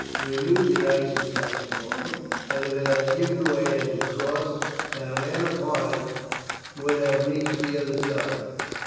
We knew the ice was not strong, and if it had given way as we crossed, not a man upon it would have reached the other side.